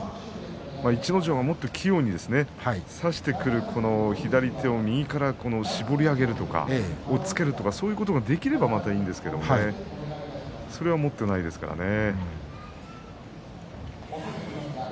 逸ノ城がもっと器用に差してくる左手を、右から絞り上げるとか押っつけるとかそういうことができればまた、いいですけれどそれは持ってないですからね。